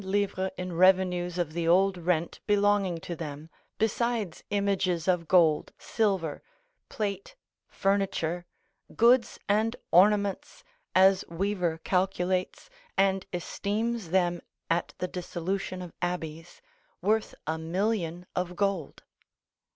_ in revenues of the old rent belonging to them, besides images of gold, silver, plate, furniture, goods and ornaments, as Weever calculates, and esteems them at the dissolution of abbeys, worth a million of gold.